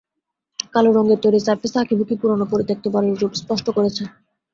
কালো রঙের তৈরি সারফেসে আঁকিবুঁকি পুরোনো পরিত্যক্ত বাড়ির রূপ স্পষ্ট করেছে।